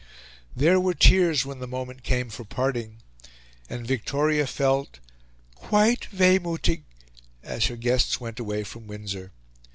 There were tears when the moment came for parting, and Victoria felt "quite wehmuthig," as her guests went away from Windsor.